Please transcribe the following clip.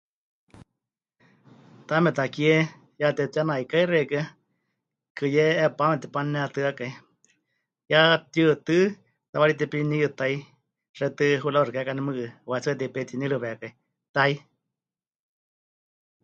Taame takie ya tepɨtenaikái xeikɨ́a, kɨyé 'epame tepanunetɨ́akai, ya pɨtiutɨ́ tawaarí tepiniɨyu tai, xewítɨ huraxa xɨka hekaní mɨɨkɨ wahetsɨa tepeitiniɨrɨwekai tai.